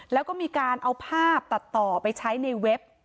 แล้วก็มีการเอาภาพตัดต่อไปใช้ในเว็บ